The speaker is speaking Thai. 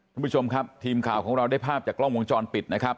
คุณผู้ชมครับทีมข่าวของเราได้ภาพจากกล้องวงจรปิดนะครับ